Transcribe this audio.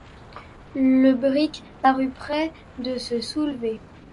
Le brick parut près de se soulever.